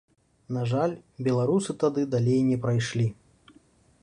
На жаль, беларусы тады далей не прайшлі.